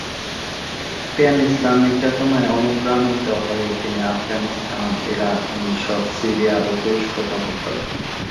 Pan ইসলামী চেতনায় অনুপ্রাণিত হয়ে তিনি আফগানিস্তান, ইরাক, মিশর, সিরিয়া ও তুরস্ক সফর করেন।